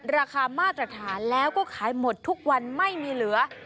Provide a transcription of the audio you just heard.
ราคามาตรฐานแล้วก็ขายหมดทุกวันไม่มีเหลือ